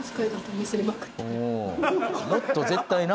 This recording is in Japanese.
もっと絶対な。